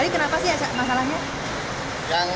ini kenapa sih masalahnya